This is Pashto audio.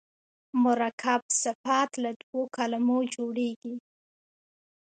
مرکب صفت له دوو کلمو جوړیږي.